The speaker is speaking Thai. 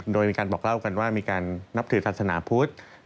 โดยมีการบอกเล่ากันว่ามีการนับถือศาสนาพุทธ